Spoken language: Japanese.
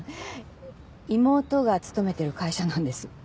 妹が勤めてる会社なんです。